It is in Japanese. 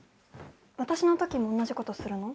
私の時も同じことするの？